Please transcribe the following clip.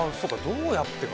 どうやってか。